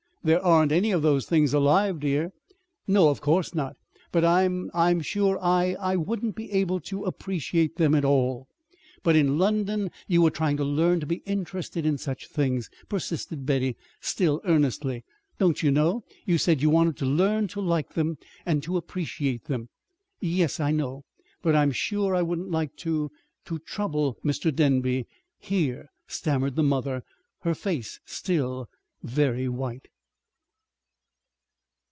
There aren't any of those things alive, dear!" "No, of course not. But I'm I'm sure I I wouldn't be able to appreciate them at all." "But in London you were trying to learn to be interested in such things," persisted Betty, still earnestly. "Don't you know? You said you wanted to learn to like them, and to appreciate them." "Yes, I know. But I'm sure I wouldn't like to to trouble Mr. Denby here," stammered the mother, her face still very white.